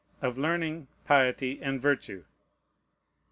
of learning, piety, and virtue.